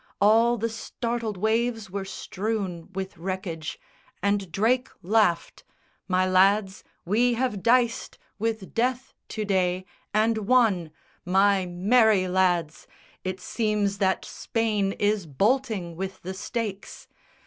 All the startled waves were strewn With wreckage; and Drake laughed "My lads, we have diced With death to day, and won! My merry lads, It seems that Spain is bolting with the stakes!